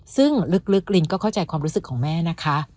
ซึ่งลึกลินก็เข้าใจความรู้สึกของแม่นะคะ